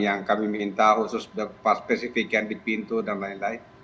yang kami minta khusus spesifikan di pintu dan lain lain